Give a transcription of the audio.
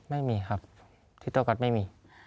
ไม่มีครับที่ตัวก็อดไม่มี